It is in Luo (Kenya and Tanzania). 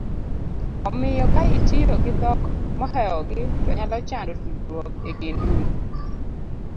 omiyo ka itiyo gi dhok mohewogi to nyalo chando tudruok e kind un